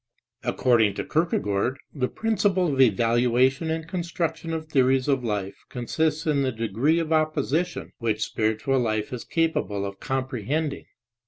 According to Kierkegaard the principle of evaluation and construction of theories of life consists in the degree of 204 THE PHILOSOPHY OF ROMANTICISM opposition which spiritual life is capable of comprehending.